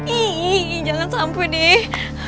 ih jangan sampai deh